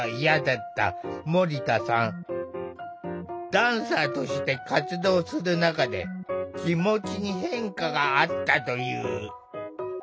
ダンサーとして活動する中で気持ちに変化があったという。